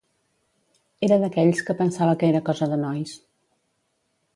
Era d'aquells que pensava que era cosa de nois.